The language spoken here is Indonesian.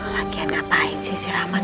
lagian ngapain sih si rahman